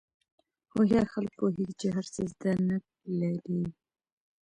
هوښیار خلک پوهېږي چې هر څه زده نه لري.